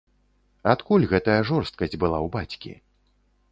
Адкуль гэтая жорсткасць была ў бацькі?